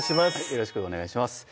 よろしくお願いします